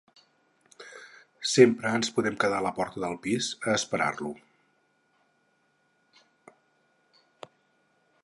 Sempre ens podem quedar a la porta del pis, a esperar-lo.